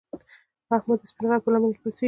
احمد د سپین غر په لمنه کې اوسږي.